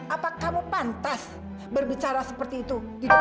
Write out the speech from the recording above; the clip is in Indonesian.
apa kamu pantas berbicara seperti itu di depanku